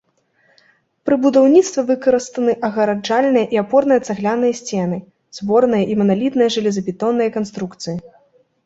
Пры будаўніцтве выкарыстаны агараджальныя і апорныя цагляныя сцены, зборныя і маналітныя жалезабетонныя канструкцыі.